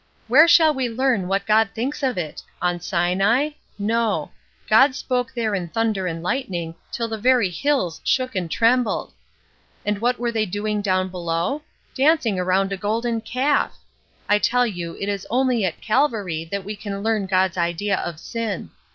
"Where shall we learn what God thinks of it? On Sinai? No. God spoke there in thunder and lightning, till the very hills shook and trembled. "And what were they doing down below? Dancing around a golden calf! I tell you it is only at Calvary that we can learn God's idea of sin.